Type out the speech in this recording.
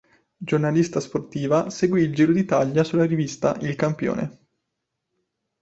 Giornalista sportiva, seguì il Giro d'Italia sulla rivista "Il Campione".